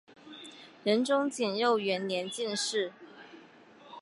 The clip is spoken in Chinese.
仁宗景佑元年进士。